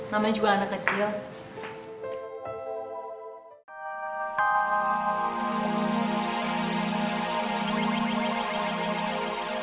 namanya juga anak kecil